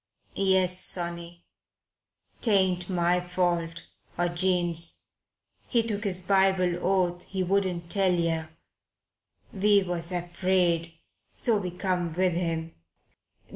"Yes, sonny. 'Tain't my fault, or Jane's. He took his Bible oath he wouldn't tell yer. We was afraid, so we come with him."